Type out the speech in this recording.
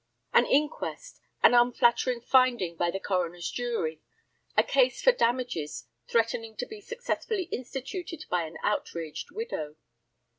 An inquest, an unflattering finding by the coroner's jury, a case for damages threatening to be successfully instituted by an outraged widow.